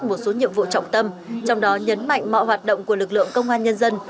một số nhiệm vụ trọng tâm trong đó nhấn mạnh mọi hoạt động của lực lượng công an nhân dân